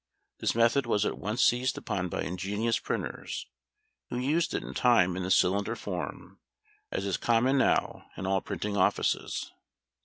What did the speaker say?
This method was at once seized upon by ingenious printers, who used it in time in the cylinder form, as is common now in all printing offices.